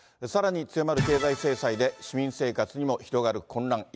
さらに強まる経済制裁で、市民生活にも広がる混乱。